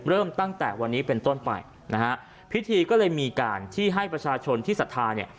เริ่มตั้งแต่วันนี้เป็นต้นไปนะฮะพิธีก็เลยมีการที่ให้ประชาชนที่ศรัทธาเนี่ย